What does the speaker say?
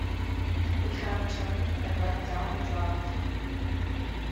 The cab turned and went down the drive.